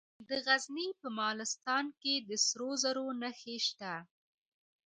د غزني په مالستان کې د سرو زرو نښې شته.